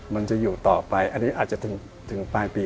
มันจะอยู่ต่อไปอันนี้อาจจะถึงปลายปี